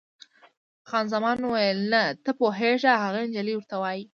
خان زمان وویل: نه، ته پوهېږې، هغه انجلۍ ورته وایي.